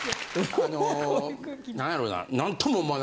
あの何やろな。